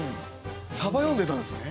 さば読んでたんですね。